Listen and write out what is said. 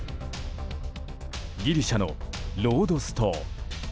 ギリシャのロードス島。